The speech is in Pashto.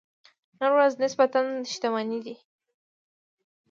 نن ورځ نسبتاً شتمنې دي.